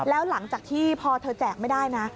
แล้วหลังจากที่พอเธอแจกไม่ได้นะ